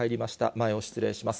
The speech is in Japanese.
前を失礼します。